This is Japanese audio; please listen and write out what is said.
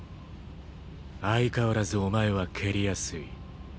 相変わらずお前は蹴りやすい。